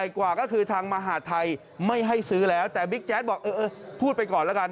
กว่าก็คือทางมหาดไทยไม่ให้ซื้อแล้วแต่บิ๊กแจ๊ดบอกเออพูดไปก่อนแล้วกัน